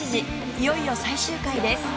いよいよ最終回です